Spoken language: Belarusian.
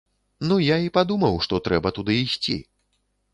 Ну я і падумаў, што трэба туды ісці.